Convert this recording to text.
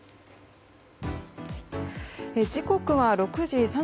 時刻は６時３９分。